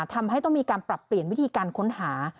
ทำให้ต้องมีการปรับเปลี่ยนวิธีการค้นหา